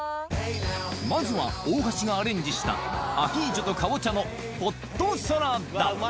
まずは、大橋がアレンジした、アヒージョとカボチャのポットサラダ。